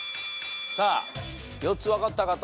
さあ４つわかった方？